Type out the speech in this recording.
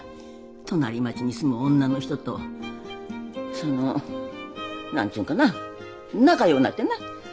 隣町に住む女の人とその何て言うんかな仲ようなってな。